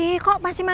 mak untuk ya senjata